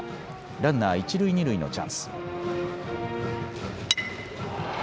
ランナー一塁二塁のチャンス。